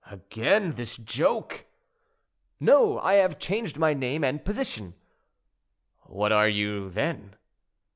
"Again this joke!" "No; I have changed my name and position." "What are you, then?"